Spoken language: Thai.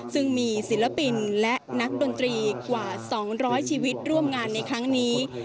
ซึ่งมีศิลปินและนักดนตรีกว่า๒๐๐ชีวิตร่วมงานในครั้งนี้